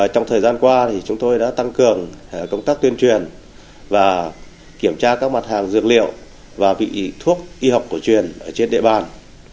trong thời gian qua chúng tôi đã tăng cường công tác tuyên truyền và kiểm tra các mặt hàng dược liệu và vị thuốc y học cổ truyền trên địa bàn